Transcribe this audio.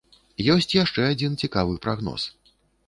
Ёсць яшчэ адзін цікавы прагноз.